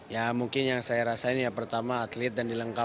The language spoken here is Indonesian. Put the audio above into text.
ya mungkin yang saya rasain ya pertama atlet dan dilengkapi